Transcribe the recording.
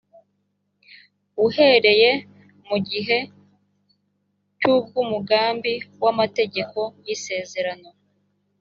uhereye mu gihe cy’ubw’umugambi w’amategeko y’isezerano